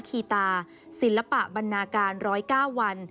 คีตาศิลปะบรรณาการ๑๐๙วัน